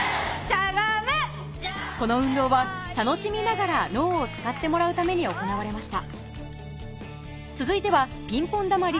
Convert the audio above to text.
この運動は楽しみながら脳を使ってもらうために行われました